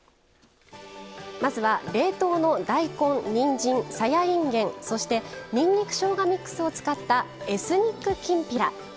まずは冷凍の大根にんじんさやいんげんそしてにんにく・しょうがミックスを使ったエスニックきんぴら。